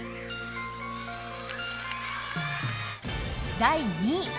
第２位。